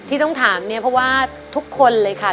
ที่ต้องถามเนี่ยเพราะว่าทุกคนเลยค่ะ